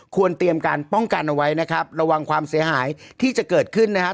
ควรเตรียมการป้องกันเอาไว้นะครับระวังความเสียหายที่จะเกิดขึ้นนะครับ